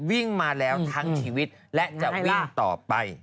วิ่งมาแล้วทั้งชีวิตและจะวิ่งต่อไป